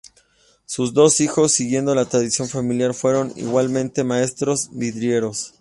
Sus dos hijos siguiendo la tradición familiar fueron igualmente maestros vidrieros.